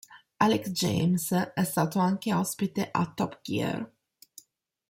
Alex James è stato anche ospite a Top Gear.